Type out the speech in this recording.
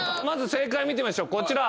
正解見てみましょうこちら。